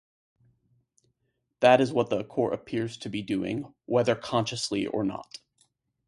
That is what the Court appears to be doing, whether consciously or not.